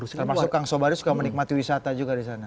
termasuk kang sobari suka menikmati wisata juga di sana